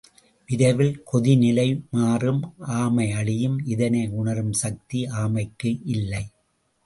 விரைவில் கொதி நிலை மாறும் ஆமை அழியும் இதனை உணரும்சக்தி ஆமைக்கு இல்லை.